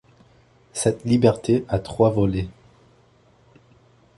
Cette liberté a trois volets.